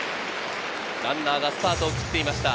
ランナーがスタートを切っていました。